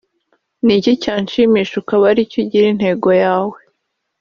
Ni iki cyanshimisha ukaba ari cyo ugira intego yawe